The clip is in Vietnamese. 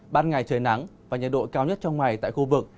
ban ngày trời nắng và nhiệt độ cao nhất trong ngày tại khu vực